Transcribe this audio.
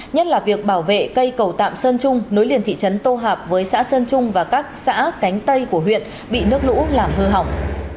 nhất là việc bảo vệ cây cầu tạm sơn trung nối liền thị trấn tô hạp với xã sơn trung và các xã cánh tây của huyện bị nước lũ làm hư hỏng